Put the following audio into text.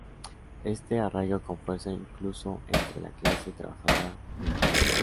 Este arraigó con fuerza, incluso entre la clase trabajadora polaca.